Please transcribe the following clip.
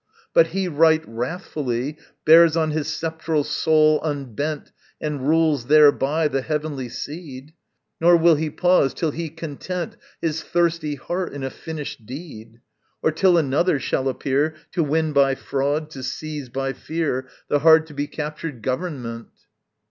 But he Right wrathfully Bears on his sceptral soul unbent And rules thereby the heavenly seed, Nor will he pause till he content His thirsty heart in a finished deed; Or till Another shall appear, To win by fraud, to seize by fear The hard to be captured government.